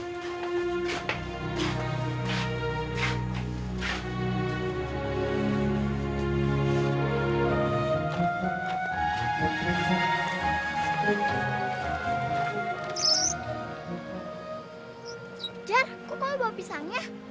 fajar kok kamu bawa pisangnya